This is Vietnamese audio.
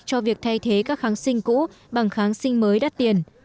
cho việc thay thế các kháng sinh cũ bằng kháng sinh mới đắt tiền